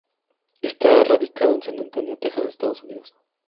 Está radicado en San Antonio, Texas, Estados Unidos.